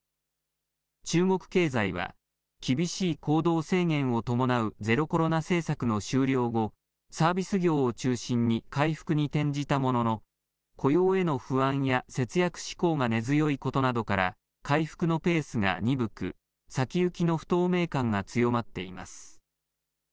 中国経済は厳しい行動制限を伴うゼロコロナ政策の終了後、サービス業を中心に回復に転じたものの雇用への不安や節約志向が根強いことなどから回復のペースが鈍く、先行きの不透明感が強まっています。